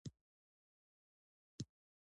په موسسه کې اړیکې هم په ښکاره ډول واضحې وي.